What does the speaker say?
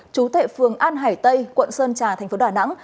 trú tại phường an hải tây quận sơn trà thành phố đà nẵng